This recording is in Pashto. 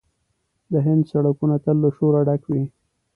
د هند سړکونه تل له شوره ډک وي.